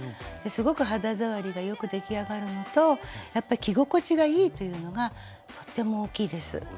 すごく肌触りが良く出来上がるのとやっぱり着心地がいいというのがとっても大きいです。